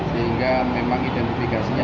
sehingga memang identifikasinya